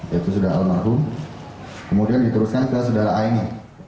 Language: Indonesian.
yaitu sedara al mahum kemudian diteruskan ke sedara a ini